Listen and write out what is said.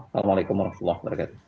assalamualaikum warahmatullah wabarakatuh